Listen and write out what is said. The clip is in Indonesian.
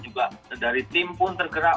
juga dari tim pun tergerak